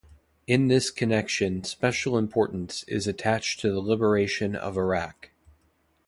In this connection special importance is attached to the liberation of Iraq...